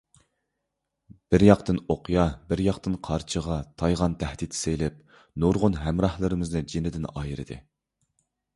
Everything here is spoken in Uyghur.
بىر ياقتىن ئوقيا، بىر ياقتىن قارچىغا، تايغان تەھدىت سېلىپ نۇرغۇن ھەمراھلىرىمىزنى جېنىدىن ئايرىدى.